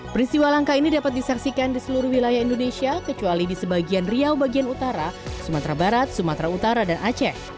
peristiwa langka ini dapat disaksikan di seluruh wilayah indonesia kecuali di sebagian riau bagian utara sumatera barat sumatera utara dan aceh